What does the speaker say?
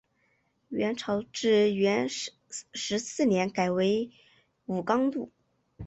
元朝至元十四年改为武冈路。